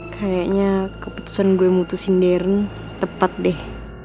kayaknya keputusan gue mutusin darren tepat deh